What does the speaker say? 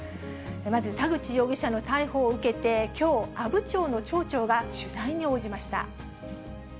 まず田口容疑者の逮捕を受けてきょう、阿武町の町長が取材に応じました。